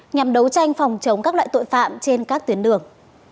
nhằm đấu tranh phòng chống các loại tội phạm trên các tuyến đường